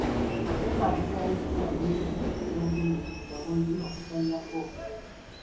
Kyetaagisa empisa nyingi n'obugumiikiriza bungi okuzannya ggoofu.